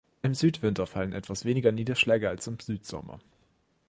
Im Südwinter fallen etwas weniger Niederschläge als im Südsommer.